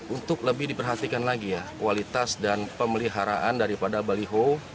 untuk lebih diperhatikan lagi ya kualitas dan pemeliharaan daripada baliho